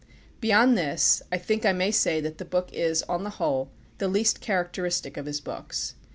Beyond this, I think I may say that the book is, on the whole, the least characteristic of his books.